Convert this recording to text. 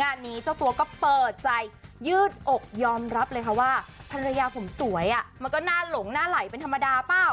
งานนี้เจ้าตัวก็เปิดใจยืดอกยอมรับเลยค่ะว่าภรรยาผมสวยมันก็หน้าหลงหน้าไหลเป็นธรรมดาเปล่า